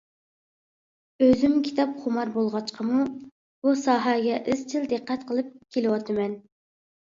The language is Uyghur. ئۆزۈم كىتابخۇمار بولغاچقىمۇ بۇ ساھەگە ئىزچىل دىققەت قىلىپ كېلىۋاتىمەن.